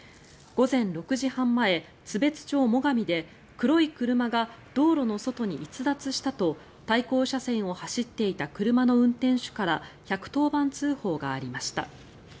午前６時半前、津別町最上で黒い車が道路の外に逸脱したと対向車線を走っていた車の運転手から１１０番通報がありました。